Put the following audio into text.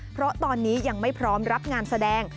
เพราะตอนนี้ยังไม่พร้อมรับงานแสดง